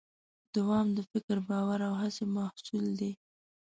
دوام د فکر، باور او هڅې محصول دی.